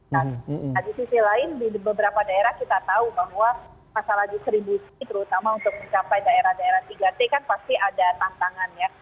nah di sisi lain di beberapa daerah kita tahu bahwa masalah distribusi terutama untuk mencapai daerah daerah tiga t kan pasti ada tantangan ya